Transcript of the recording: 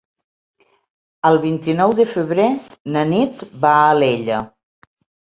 El vint-i-nou de febrer na Nit va a Alella.